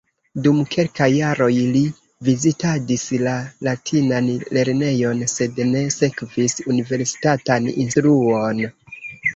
Dum kelkaj jaroj li vizitadis la latinan lernejon, sed ne sekvis universitatan instruon.